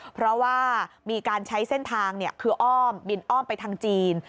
เพราะว่ามีการใช้เส้นทางคืออ้อมบินอ้อมไปทางจีน